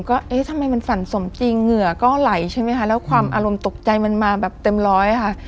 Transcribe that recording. ก็เอ๊ะทำไมมันฝันสมจริงเหงื่อก็ไหลใช่ไหมคะแล้วความอารมณ์ตกใจมันมาแบบเต็มร้อยค่ะ